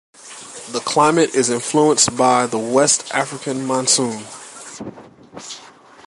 The climate is influenced by the West African Monsoon.